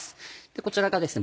こちらがですね